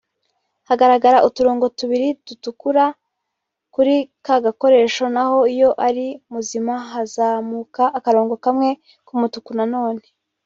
hagaragara uturongo tubiri dutukura kuri ka gakoresho naho iyo ari muzima hakazamuka akarongo kamwe k’umutuku na none